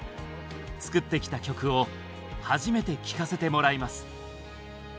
作ってきた曲を初めて聴かせてもらいます。